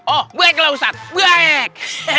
oh baiklah ustadz baik